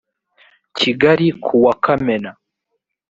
kigali ku wa kamena